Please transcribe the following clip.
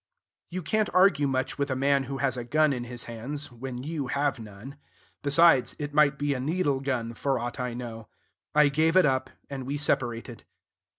You can't argue much with a man who has a gun in his hands, when you have none. Besides, it might be a needle gun, for aught I knew. I gave it up, and we separated.